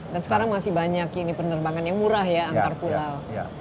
dan sekarang masih banyak penerbangan yang murah ya antar pulau